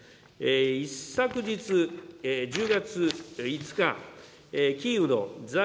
一昨日、１０月５日、キーウの在